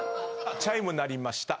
チャイム鳴りました。